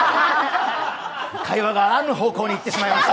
会話があらぬ方向に行ってしまいました。